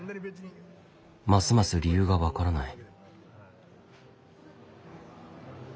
ますます理由が分からない。